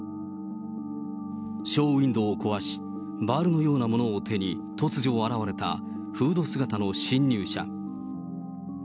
ショーウィンドウを壊し、バールのようなものを手に、突如現れたフード姿の侵入者。